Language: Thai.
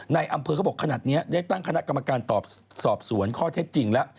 ในอำเภอเขาบอกขนาดนี้ได้ตั้งคณะกรรมการสอบสวนข้อเท็จจริงแล้ว